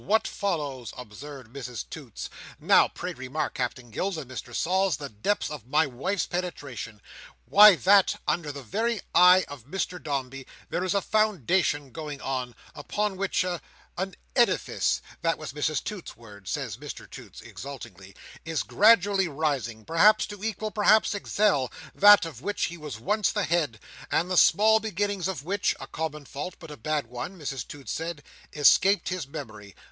What follows?' observed Mrs Toots. Now pray remark, Captain Gills, and Mr Sols, the depth of my wife's penetration. 'Why that, under the very eye of Mr Dombey, there is a foundation going on, upon which a—an Edifice;' that was Mrs Toots's word," says Mr Toots exultingly, '"is gradually rising, perhaps to equal, perhaps excel, that of which he was once the head, and the small beginnings of which (a common fault, but a bad one, Mrs Toots said) escaped his memory.